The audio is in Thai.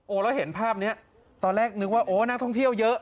แล้วเห็นภาพนี้ตอนแรกนึกว่าโอ้นักท่องเที่ยวเยอะ